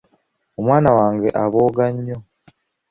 Omwana wange abooga nnyo.